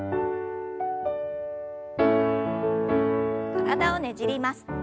体をねじります。